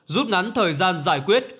giúp ngắn thời gian giải quyết